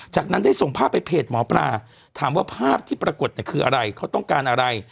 จากนั้นได้ส่งภาพไปเพจหมอปลาถามว่าภาพที่ปรากฏคืออะไรเขาต้องการอะไร